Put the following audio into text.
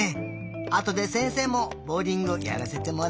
あとでせんせいもボウリングやらせてもらおうかな。